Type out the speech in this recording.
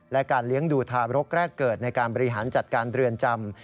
และการเลี้ยงดูทาบรกแรกเกิดในการบริหารจัดการเรือนจำ